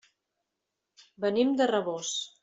Venim de Rabós.